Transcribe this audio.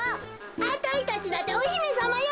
あたいたちだっておひめさまよ！